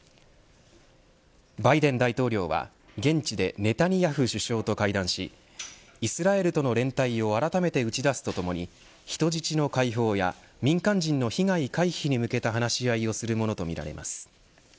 バイデン大統領は現地でネタニヤフ首相と会談しイスラエルとの連帯をあらためて打ち出すとともに人質の解放や民間人の被害回避に向けた話し合いをするものとみられます。